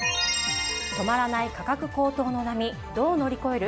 止まらない価格高騰の波どう乗り越える？